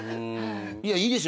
いやいいです。